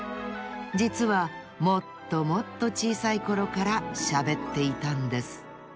じつはもっともっとちいさいころからしゃべっていたんです。